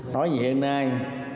nói về hiện nay